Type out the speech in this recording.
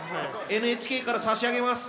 ＮＨＫから差し上げます。